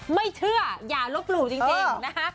ไม่เชื่ออย่าลบหลู่จริงนะคะ